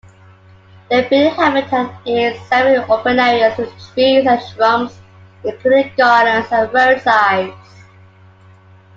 Their breeding habitat is semi-open areas with trees and shrubs, including gardens and roadsides.